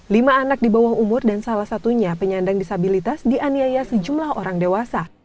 lima anak di bawah umur dan salah satunya penyandang disabilitas dianiaya sejumlah orang dewasa